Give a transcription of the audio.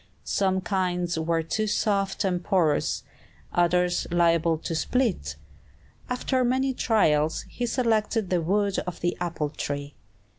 Some kinds were too soft and porous, others liable to split. After many trials, he selected the wood of the apple tree.